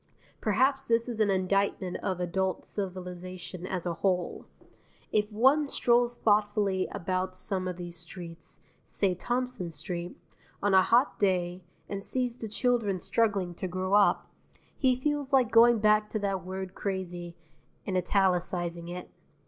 Perhaps this is an indictment of adult civilization as a whole. If one strolls thoughtfully about some of these streets say Thompson Street on a hot day, and sees the children struggling to grow up, he feels like going back to that word CRAZY and italicizing it.